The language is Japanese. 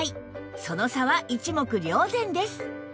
その差は一目瞭然です